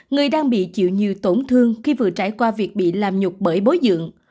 người đang bị chịu nhiều tổn thương khi vừa trải qua việc bị làm nhục bởi bối dưỡng